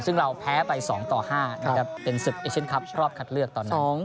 ซึ่งเราแพ้ไป๒ต่อ๕เป็น๑๐เอเชนคับรอบคัดเลือกตอนนั้น